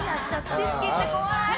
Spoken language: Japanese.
知識って怖い！